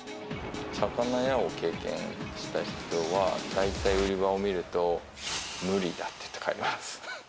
魚屋を経験した人は、大体、売り場を見ると、無理だって言って帰ります。